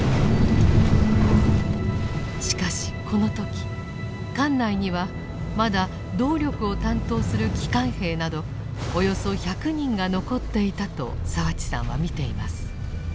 しかしこの時艦内にはまだ動力を担当する機関兵などおよそ１００人が残っていたと澤地さんは見ています。